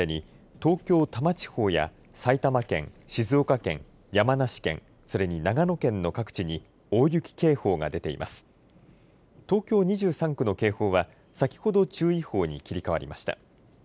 東京２３区の警報は先ほど注意報に切り替わりました。